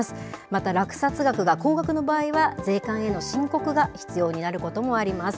また、落札額が高額の場合は、税関への申告が必要になることもあります。